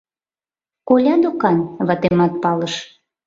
— Коля докан, — ватемат палыш.